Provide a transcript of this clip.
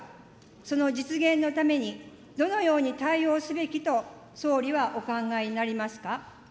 その実現のために、どのように対応すべきと総理はお考えになりますか。